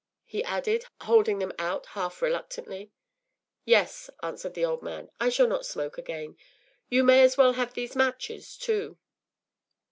” he added, holding them out half reluctantly. “Yes,” answered the old man; “I shall not smoke again. You may as well have these matches too.